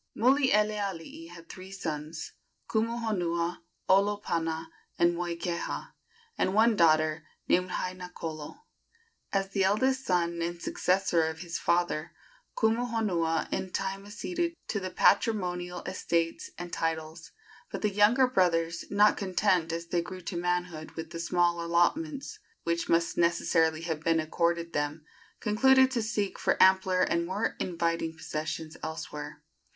Mulielealii had three sons Kumuhonua, Olopana and Moikeha and one daughter, named Hainakolo. As the eldest son and successor of his father, Kumuhonua in time acceded to the patrimonial estates and titles; but the younger brothers, not content, as they grew to manhood, with the small allotments which must necessarily have been accorded them, concluded to seek for ampler and more inviting possessions elsewhere.